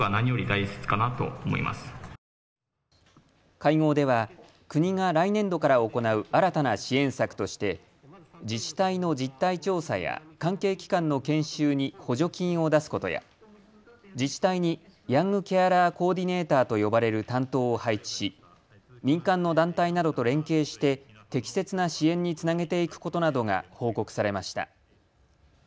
会合では国が来年度から行う新たな支援策として自治体の実態調査や、関係機関の研修に補助金を出すことや自治体にヤングケアラー・コーディネーターと呼ばれる担当を配置し民間の団体などと連携して適切な支援につなげていくことなどが報告されました。